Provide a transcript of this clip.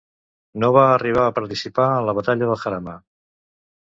No va arribar a participar en la batalla del Jarama.